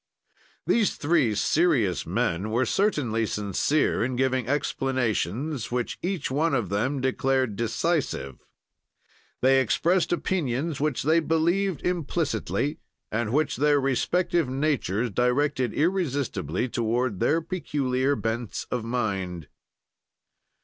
"These three serious men were certainly sincere in giving explanations which each one of them declared decisive. They exprest opinions which they believed implicitly and which their respective natures directed irresistibly toward their peculiar bents of mind.